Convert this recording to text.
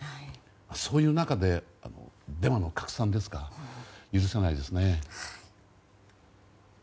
そういう中でのデマの拡散は許せないですね。